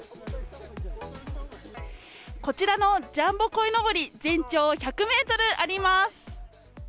こちらのジャンボこいのぼり、全長１００メートルあります。